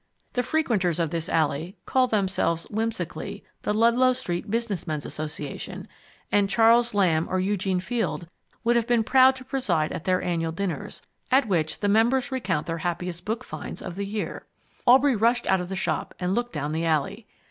... The frequenters of this alley call themselves whimsically The Ludlow Street Business Men's Association, and Charles Lamb or Eugene Field would have been proud to preside at their annual dinners, at which the members recount their happiest book finds of the year. Aubrey rushed out of the shop and looked down the alley.